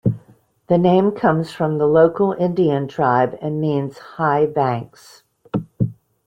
The name comes from the local Indian tribe and means high banks.